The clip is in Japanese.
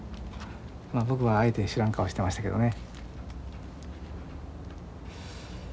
まあ僕はあえて知らん顔してましたけどね。